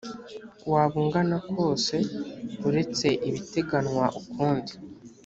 waba ungana kose uretse ibiteganywa ukundi